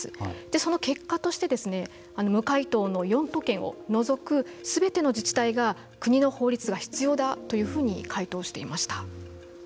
その結果として無回答の４都県を除くすべての自治体が国の法律が必要だというふうに回答していました。